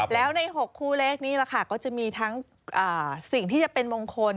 แล้วใน๖คู่เลขนี้ล่ะค่ะก็จะมีทั้งสิ่งที่จะเป็นมงคล